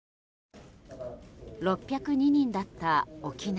６０２人だった沖縄。